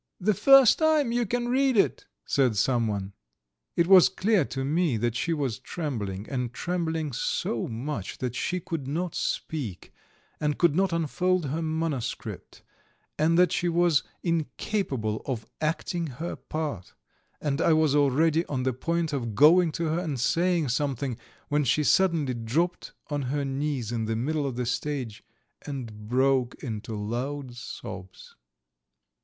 "The first time you can read it," said someone. It was clear to me that she was trembling, and trembling so much that she could not speak, and could not unfold her manuscript, and that she was incapable of acting her part; and I was already on the point of going to her and saying something, when she suddenly dropped on her knees in the middle of the stage and broke into loud sobs.